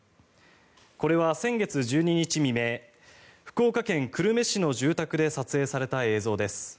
これは先月１２日未明福岡県久留米市の住宅で撮影された映像です。